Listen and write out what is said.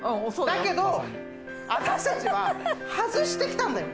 だけど私たちは外してきたんだよ。